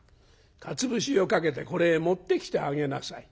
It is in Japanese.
かつ節をかけてこれへ持ってきてあげなさい」。